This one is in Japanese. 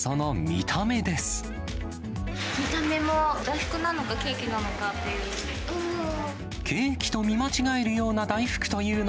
見た目も大福なのか、ケーキなのかっていう。